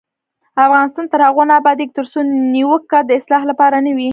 افغانستان تر هغو نه ابادیږي، ترڅو نیوکه د اصلاح لپاره نه وي.